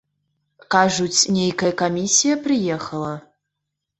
Кажуць, нейкая камісія прыехала?